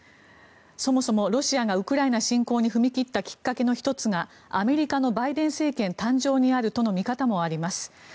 そもそもロシアがウクライナ侵攻に踏み切った理由の１つがアメリカのバイデン政権誕生にあるとの見方もあります。